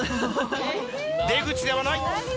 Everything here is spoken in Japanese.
出口ではない。